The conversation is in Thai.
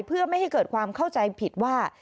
เพื่อไม่ให้เกิดความเข้าใจผิดว่า